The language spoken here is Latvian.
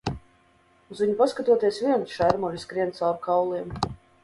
Uz viņu paskatoties vien šermuļi skrien caur kauliem.